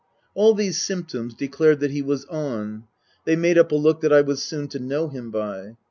All these symptoms declared that he was "on." They made up a look that I was soon to know him by.